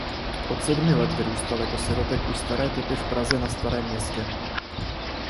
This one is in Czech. Od sedmi let vyrůstal jako sirotek u staré tety v Praze na Starém Městě.